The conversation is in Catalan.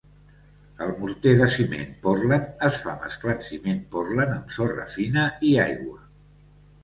El morter de ciment Portland es fa mesclant ciment Portland amb sorra fina i aigua.